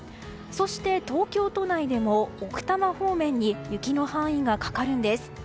そして、東京都内でも奥多摩方面に雪の範囲がかかるんです。